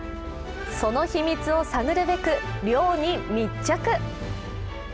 その秘密を探るべく漁に密着。